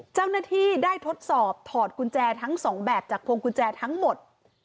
เจ้าหน้าที่ได้ทดสอบถอดกุญแจทั้งสองแบบจากพวงกุญแจทั้งหมด